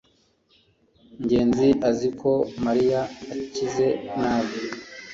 ngenzi azi ko mariya akize nabi